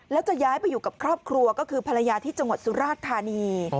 แล้วจะย้ายไปอยู่กับครอบครัวก็คือภรรยาที่จังหวัดสุราชธานี